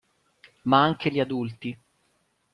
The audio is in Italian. Ma anche gli adulti.